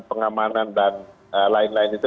pengamanan dan lain lain itu